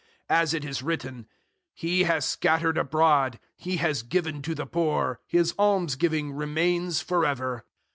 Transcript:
009:009 As it is written, "He has scattered abroad, he has given to the poor, his almsgiving remains for ever."